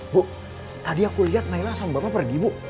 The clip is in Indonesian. bu tadi aku lihat naila sama bapak pergi bu